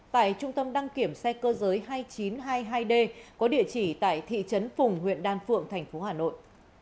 tại trung tâm đăng kiểm xe cơ giới hai nghìn chín trăm hai mươi hai d có địa chỉ tại thị trấn phùng huyện đan phượng thành phố hà nội